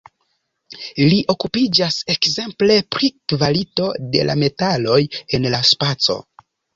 Li okupiĝas ekzemple pri kvalito de la metaloj en la spaco.